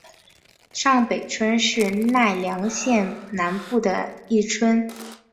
上北山村是奈良县南部的一村。